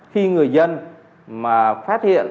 khi người dân mà phát hiện